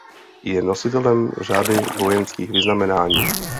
Je nositelem řady vojenských vyznamenání.